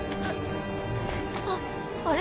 あっあれ？